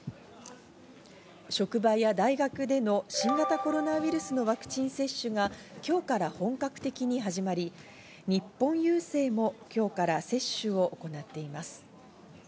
職場や大学での新型コロナウイルスのワクチン接種が今日から本格的に始まり、日本郵政も今日から接種を行っています。